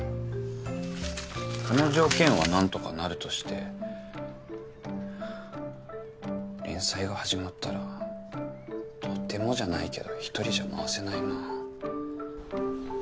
この条件は何とかなるとして連載が始まったらとてもじゃないけど１人じゃ回せないな。